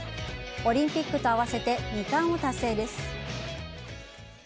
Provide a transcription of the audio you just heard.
オリンピックと合わせて二冠を達成です。